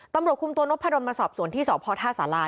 ตำรวจคุมตัวนกพะดนมาสอบสวนที่สพท่าสารา